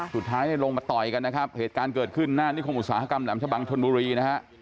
สุดท้ายลงมาต่อยกันนะครับเหตุการณ์เกิดขึ้นหน้านิคมอุตสาหกรรมแหมชะบังชนบุรีนะฮะ